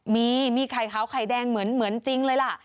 มีมีไข่ขาวไข่แดงเหมือนจริงเลยล่ะ